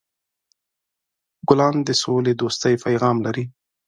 ګلان د سولهدوستۍ پیغام لري.